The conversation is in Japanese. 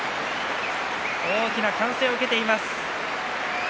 大きな歓声を受けています。